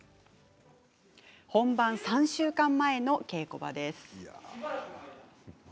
本番３週間前の稽古場です。